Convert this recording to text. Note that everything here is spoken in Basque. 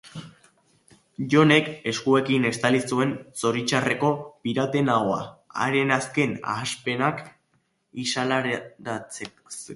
Johnek eskuekin estali zuen zoritxarreko pirataren ahoa, haren azken hasperenak isilarazteko.